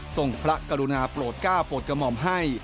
ส่งพระกรุณาโปรดก้าวโปรดกระหม่อมให้